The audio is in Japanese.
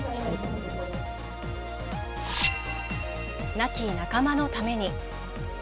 亡き仲間のために。